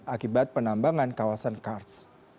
akibat penambangan kawasan kars